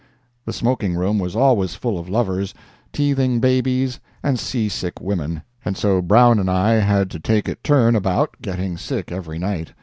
The smoking room was always full of lovers, teething babies and seasick women, and so Brown and I had to take it turn about getting sick every night.